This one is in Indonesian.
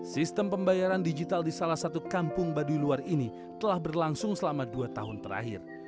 sistem pembayaran digital di salah satu kampung baduy luar ini telah berlangsung selama dua tahun terakhir